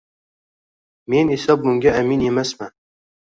men esa bunga amin emasman.